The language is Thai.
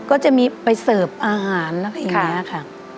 ก็จะมีไปเสิร์ฟอาหารอะไรอย่างนี้ค่ะ